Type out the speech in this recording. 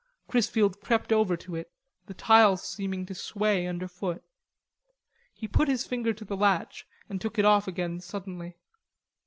Chrisfield crept over to it, the tiles seeming to sway under foot. He put his finger to the latch and took it off again suddenly.